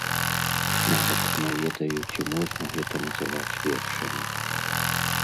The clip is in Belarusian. Нават не ведаю, ці можна гэта называць вершамі.